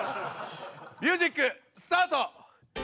ミュージックスタート！